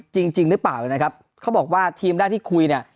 จริงหรือเปล่าเลยนะครับเขาบอกว่าทีมด้านที่คุยเนี่ย